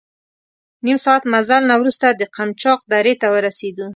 نیم ساعت مزل نه وروسته د قمچاق درې ته ورسېدو.